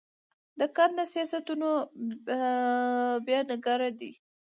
د ګنده سیاستونو بیانګر دي.